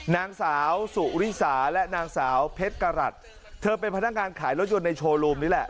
นางสาวสุริสาและนางสาวเพชรกรัฐเธอเป็นพนักงานขายรถยนต์ในโชว์รูมนี่แหละ